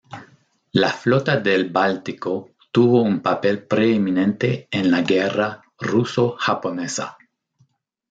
La Flota del Báltico tuvo un papel preeminente en la guerra ruso-japonesa.